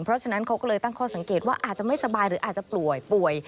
เพราะฉะนั้นเขาก็เลยตั้งข้อสังเกตว่าอาจจะไม่สบายหรืออาจจะป่วยป่วย